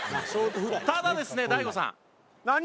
ただですね大悟さん。何？